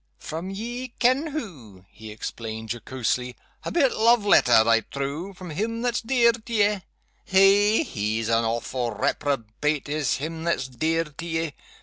"From ye ken who," he explained, jocosely. "A bit love letter, I trow, from him that's dear to ye. Eh! he's an awfu' reprobate is him that's dear to ye.